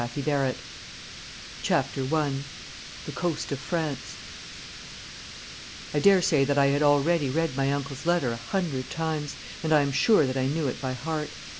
THE END CHAPTER I THE COAST OF FRANCE I dare say that I had already read my uncle's letter a hundred times, and I am sure that I knew it by heart.